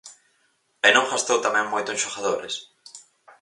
E non gastou tamén moito en xogadores?